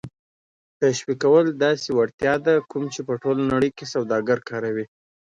تشویقول داسې وړتیا ده کوم چې په ټوله نړۍ کې سوداګر کاروي.